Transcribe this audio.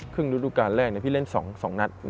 ครึ่งฤทธิ์ภูมิการแรกพี่เล่น๒นัด